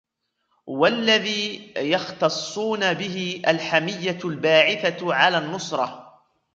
وَاَلَّذِي يَخْتَصُّونَ بِهِ الْحَمِيَّةُ الْبَاعِثَةُ عَلَى النُّصْرَةِ